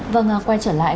vâng quay trở lại